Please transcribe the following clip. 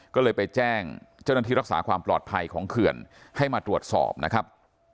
ก็เลยไปแจ้งเจ้าหน้าที่รักษาความปลอดภัยของเขื่อนให้มาตรวจสอบนะครับ